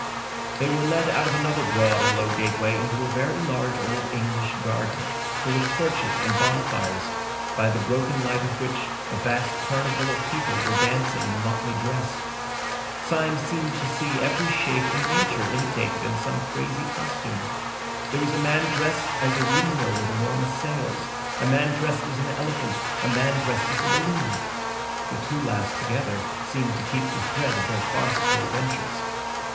They were led out of another broad and low gateway into a very large old English garden, full of torches and bonfires, by the broken light of which a vast carnival of people were dancing in motley dress. Syme seemed to see every shape in Nature imitated in some crazy costume. There was a man dressed as a windmill with enormous sails, a man dressed as an elephant, a man dressed as a balloon; the two last, together, seemed to keep the thread of their farcical adventures.